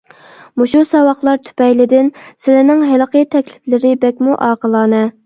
مۇشۇ ساۋاقلار تۈپەيلىدىن سىلىنىڭ ھېلىقى تەكلىپلىرى بەكمۇ ئاقىلانە.